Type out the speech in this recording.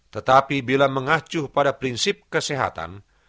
tetapi bila mengacu pada prinsip kesehatan